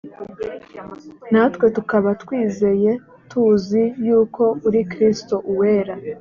natwe tukaba twizeye tuzi yuko uri kristo uwera